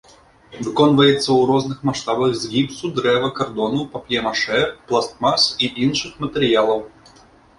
Выконваецца ў розных маштабах з гіпсу, дрэва, кардону, пап'е-машэ, пластмас і іншых матэрыялаў.